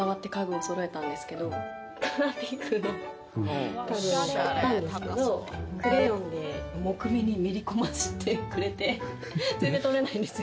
を買ったんですけどクレヨンで木目にめり込ましてくれて全然取れないんですよ